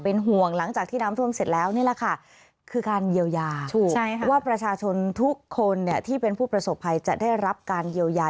พันข้าวก็ไม่มีแล้วผมตอนนี้แย่เลยใช่ไหมครับ